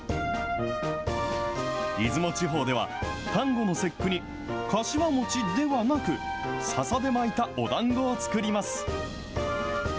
出雲地方では、端午の節句にかしわ餅ではなく、ささで巻いたおだんごを作ります。